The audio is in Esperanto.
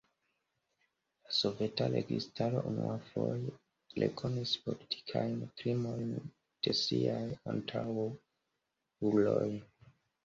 La soveta registaro unuafoje rekonis politikajn krimojn de siaj antaŭuloj.